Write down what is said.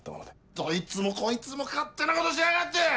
どいつもこいつも勝手なことしやがって！